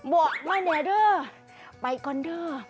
บอกมาเนี่ยเด้อไปก่อนเด้อ